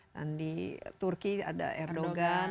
dan di turki ada erdogan